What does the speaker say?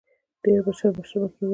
ډېر مشر مشر مه کېږه !